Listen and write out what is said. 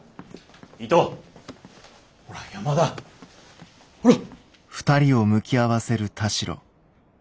伊藤ほら山田ほらっ。